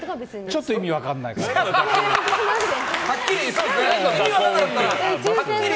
ちょっと意味分かんないって。